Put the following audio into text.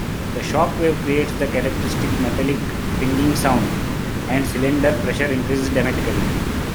The shock wave creates the characteristic metallic "pinging" sound, and cylinder pressure increases dramatically.